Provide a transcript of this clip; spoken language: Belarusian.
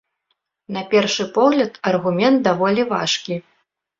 На першы погляд, аргумент даволі важкі.